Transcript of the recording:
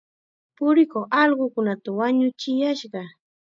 Purikuq allqukunata wañuchiyashqa.